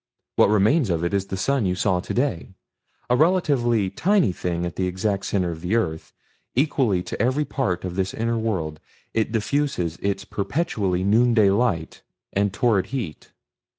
What remains of it is the sun you saw today a relatively tiny thing at the exact center of the earth. Equally to every part of this inner world it diffuses its perpetual noonday light and torrid heat.